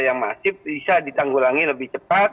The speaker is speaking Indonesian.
yang masif bisa ditanggulangi lebih cepat